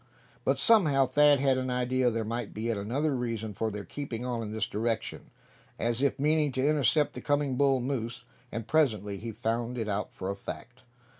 But somehow Thad had an idea there might be yet another reason for their keeping on in this direction, as if meaning to intercept the coming bull moose; and presently he found it out for a fact.